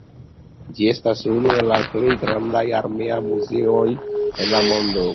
Ĝi estas unu el la plej grandaj armeaj muzeoj en la mondo.